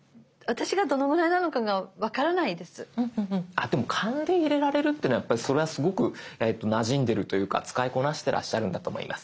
あっでも勘で入れられるっていうのはやっぱりそれはすごくなじんでいるというか使いこなしてらっしゃるんだと思います。